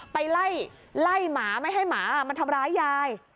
ไปไล่หมาไม่ให้หมามาทำร้ายยาย